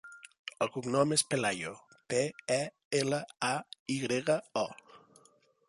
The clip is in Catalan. El cognom és Pelayo: pe, e, ela, a, i grega, o.